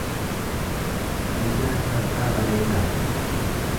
Guyyaan har’aa bareedaa dha.